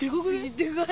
でかい。